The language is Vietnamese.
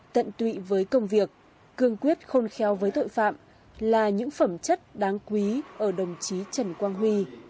tận tụy với công việc cương quyết khôn kheo với tội phạm là những phẩm chất đáng quý ở đồng chí trần quang huy